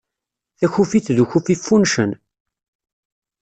Takufit d ukufi ffuncen.